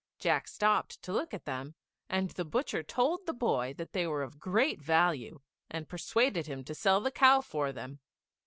Jack stopped to look at them, and the butcher told the boy that they were of great value, and persuaded him to sell the cow for them!